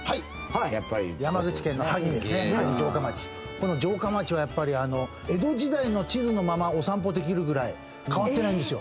この城下町はやっぱり江戸時代の地図のままお散歩できるぐらい変わってないんですよ。